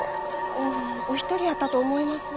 うんお一人やったと思います。